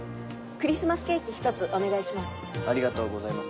クリスマスケーキ１つお願いします。